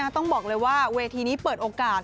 ต้องบอกเลยว่าเวทีนี้เปิดโอกาส